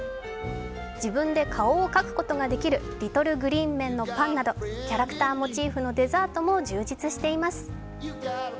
自分で顔を描くことができるリトル・グリーン・メンのパンなどキャラクターモチーフのデザートも充実しています。